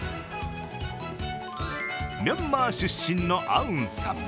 ミャンマー出身のアウンさん。